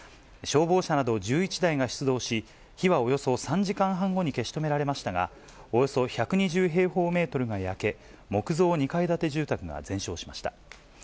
消防車など１１台が出動し、火はおよそ３時間半後に消し止められましたが、およそ１２０平方メートルが焼け、木造２階建て住宅が全焼しました。